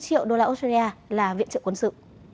ba triệu đô la australia là viện trợ quân sự